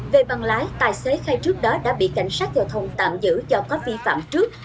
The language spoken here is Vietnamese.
về bằng lái tài xế khai trước đó đã bị cảnh sát giao thông tạm giữ do có vi phạm trước